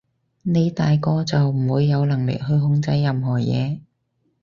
你大個就唔會有能力去控制任何嘢